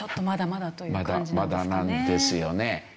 まだまだなんですよね。